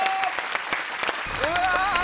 うわ！